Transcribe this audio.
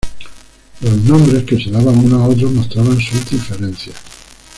Los nombres que se daban unos a otros mostraban sus diferencias.